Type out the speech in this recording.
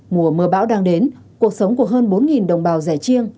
mùa mưa bão đang đến cuộc sống của hơn bốn đồng bào rẻ chiêng